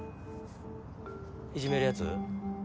いじめるやつ？